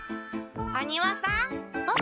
羽丹羽さん。